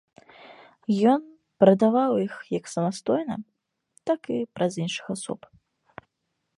Ён прадаваў іх як самастойна, так і праз іншых асоб.